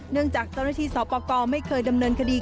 จากเจ้าหน้าที่สอปกรไม่เคยดำเนินคดี